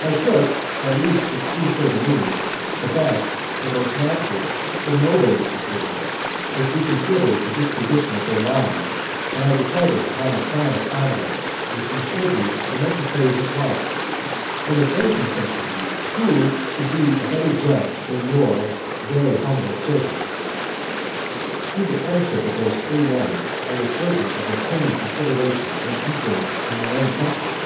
I took, at least it seems to me so, the best, the most natural, and the noblest decision, if we consider the disposition of their mind, when I decided upon the plan of conduct which insured me the necessaries of life and of those necessaries who could be a better judge than your very humble servant? Through the friendship of those three men, I was certain of obtaining consideration and influence in my own country.